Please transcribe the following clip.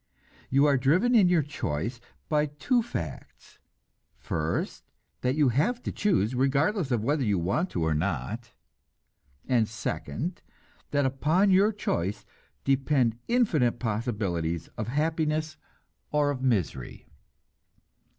You are driven in your choice by two facts first, that you have to choose, regardless of whether you want to or not; and second, that upon your choice depend infinite possibilities of happiness or of misery.